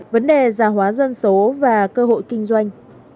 vấn đề gia hóa dân số và cơ hội kinh doanh